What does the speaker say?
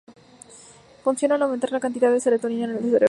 Funciona al aumentar la cantidad de serotonina en el cerebro.